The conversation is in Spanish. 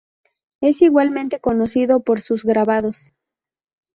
Es igualmente conocido por sus grabados.